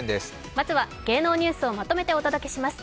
まずは芸能ニュースをまとめてお届けします。